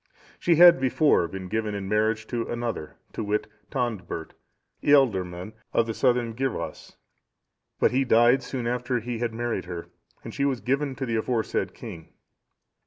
She had before been given in marriage to another, to wit, Tondbert, ealdorman(661) of the Southern Gyrwas; but he died soon after he had married her, and she was given to the aforesaid king.